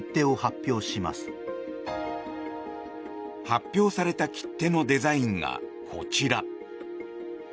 発表された切手のデザインがこちら。